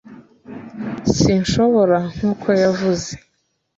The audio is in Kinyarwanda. sinshobora, nk'uko yavuze.